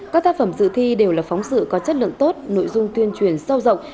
các tác phẩm dự thi đều là phóng sự có chất lượng tốt nội dung tuyên truyền sâu rộng